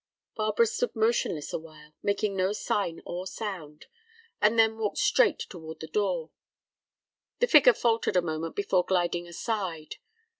Barbara stood motionless awhile, making no sign or sound, and then walked straight toward the door. The figure faltered a moment before gliding aside.